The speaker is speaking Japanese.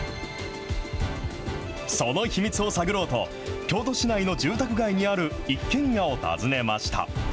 その秘密を探ろうと、京都市内の住宅街にある一軒家を訪ねました。